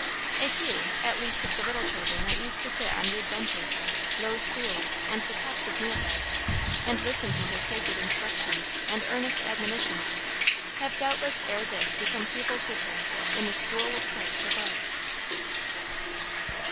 A few, at least, of the little children that used to sit on rude benches, low stools, and the tops of meal bags, and listen to her sacred instructions and earnest admonitions, have doubtless ere this become pupils with her, in the "school of Christ" above.